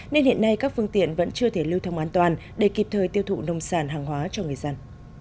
nên hiện nay các phương tiện vẫn chưa thể lưu thông an toàn để kịp thời tiêu thụ nông sản hàng hóa cho người dân